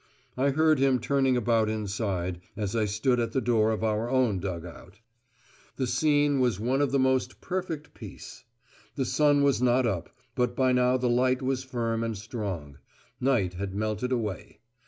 I heard him turning about inside, as I stood at the door of our own dug out. The scene was one of the most perfect peace. The sun was not up, but by now the light was firm and strong; night had melted away.